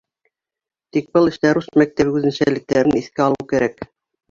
Тик был эштә рус мәктәбе үҙенсәлектәрен иҫкә алыу кәрәк.